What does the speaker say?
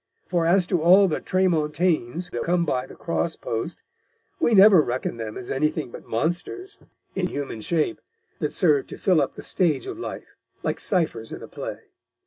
For as to all the Tramontanes that come by the cross Post, we never reckon them as anything but Monsters in human Shape, that serve to fill up the Stage of Life, like Cyphers in a play.